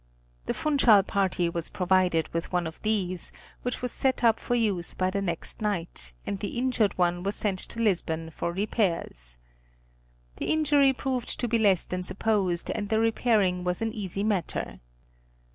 The Funchal party was provided with one of these, which was set up for use by the next night, and the injured one was sent to Lisbon for repairs. The injury proved to be less than supposed and the repairing was an easy matter.